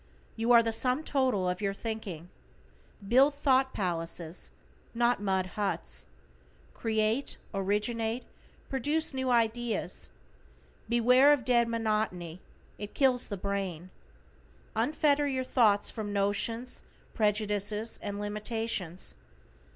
You are the sum total of your thinking. Build thought palaces, not mud huts. Create, originate, produce new ideas. Beware of dead monotony, it kills the brain. Unfetter your thoughts from notions, prejudices and limitations.